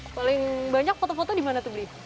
paling banyak foto foto dimana tuh brie